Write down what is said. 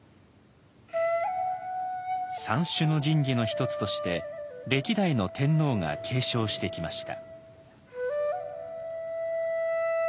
「三種の神器」の一つとして歴代の天皇が継承してきました。